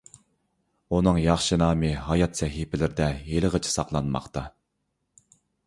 ئۇنىڭ ياخشى نامى ھايات سەھىپىلىرىدە ھېلىغىچە ساقلانماقتا.